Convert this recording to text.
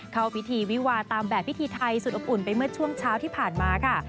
เข้าพิธีวิวาตามแบบพิธีไทยสุดอบอุ่นไปเมื่อช่วงเช้าที่ผ่านมาค่ะ